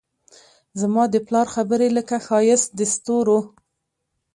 زما د پلار خبرې لکه ښایست دستورو